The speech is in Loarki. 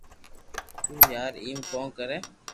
تو يار ايم ڪون ڪري